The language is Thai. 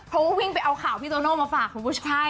เพราะว่าวิ่งไปเอาข่าวพี่โตโน่มาฝากคุณผู้ชาย